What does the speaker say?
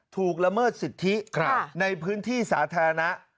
ละเมิดสิทธิในพื้นที่สาธารณะ